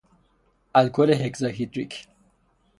الکل هگزا هیدریک